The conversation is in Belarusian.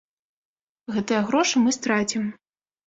Гэтыя грошы мы страцім.